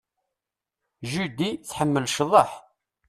Judy tḥemmel cḍeḥ.